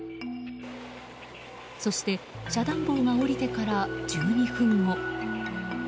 そして、遮断棒が下りてから１２分後。